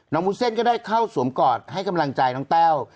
วุ้นเส้นก็ได้เข้าสวมกอดให้กำลังใจน้องแต้ว